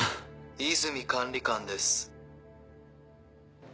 和泉管理官です。